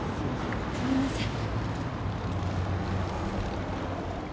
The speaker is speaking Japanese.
すいません。